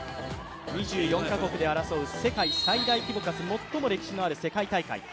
２４か国で争う世界最大規模かつ最も歴史のある世界大会。